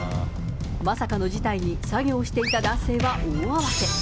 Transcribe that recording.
まさかの事態に作業していた男性は大慌て。